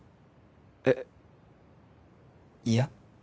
えっ嫌？